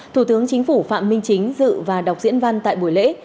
thủ tướng chính phủ phạm minh chính dự và đọc diễn văn tại buổi lễ